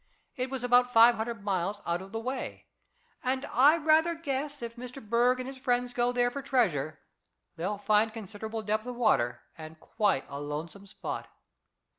It was about five hundred miles out of the way, and I rather guess if Mr. Berg and his friends go there for treasure they'll find considerable depth of water and quite a lonesome spot.